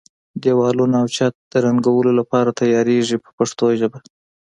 دېوالونه او چت د رنګولو لپاره تیاریږي په پښتو ژبه.